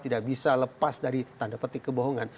tidak bisa lepas dari tanda petik kebohongan